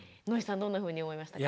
どんなふうに思いましたか？